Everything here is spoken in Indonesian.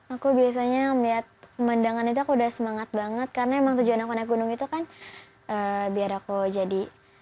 aku biasanya melihat pemandangan itu aku udah semangat banget karena emang tujuan aku naik gunung itu kan biar aku jadi